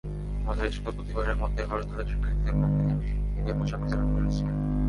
মজার ইশকুল প্রতিবারের মতো এবারও তাদের শিক্ষার্থীদের মধ্যে ঈদের পোশাক বিতরণ করেছে।